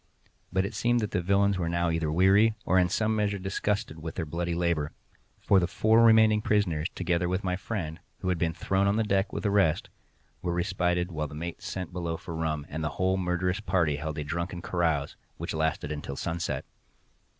But it seemed that the villains were now either weary, or in some measure disgusted with their bloody labour; for the four remaining prisoners, together with my friend, who had been thrown on the deck with the rest, were respited while the mate sent below for rum, and the whole murderous party held a drunken carouse, which lasted until sunset.